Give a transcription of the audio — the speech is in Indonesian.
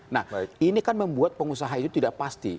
nah ini kan membuat pengusaha itu tidak pasti